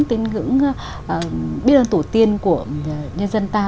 tin ngưỡng biết ơn tổ tiên của nhân dân ta